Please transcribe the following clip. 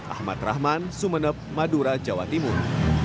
ahmad rahman sumeneb madura jawa timur